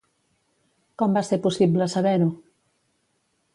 Com va ser possible saber-ho?